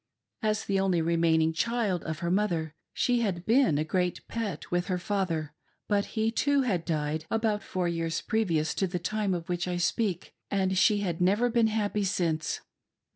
As the only remaining child of her mother, she had been a great pet with her father, but he too had died about four years f)revious to the time of which I speak, and she had never been happy since.